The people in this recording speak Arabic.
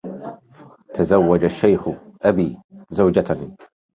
تزوج الشيخ أبي زوجة